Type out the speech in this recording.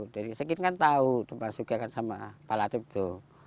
dulu sekit kan tahu termasuk ya sama pak latif itu